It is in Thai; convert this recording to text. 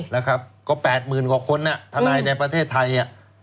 นะครับก็แปดหมื่นกว่าคนธนายในประเภทไทย